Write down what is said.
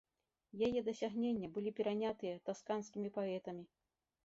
Яе дасягнення былі перанятыя тасканскімі паэтамі.